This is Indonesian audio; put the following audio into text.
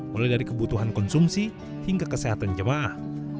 mulai dari kebutuhan konsumsi hingga kesehatan jemaah